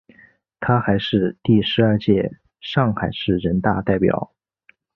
她还是第十二届上海市人大代表。